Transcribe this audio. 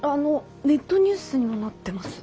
ネットニュースにもなってます。